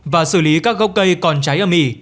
và xử lý các gốc cây còn cháy âm ỉ